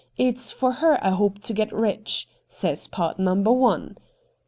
It's for her I hope to get rich," says pard number one.'